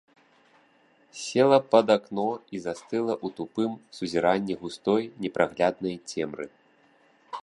Села пад акно і застыла ў тупым сузіранні густой, непрагляднай цемры.